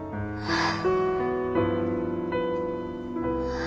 ああ。